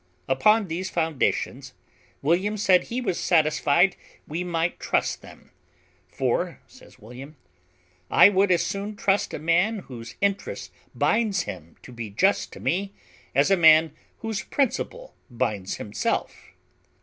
Upon these foundations, William said he was satisfied we might trust them; "for," says William, "I would as soon trust a man whose interest binds him to be just to me as a man whose principle binds himself."